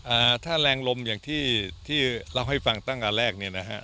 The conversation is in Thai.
อ่าถ้าแรงลมอย่างที่ที่เล่าให้ฟังตั้งแต่แรกเนี่ยนะฮะ